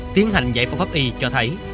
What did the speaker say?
tiến hành dạy phong pháp y cho thấy